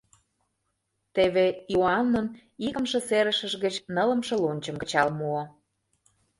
Теве Иоаннын икымше серышыж гыч нылымше лончым кычал муо.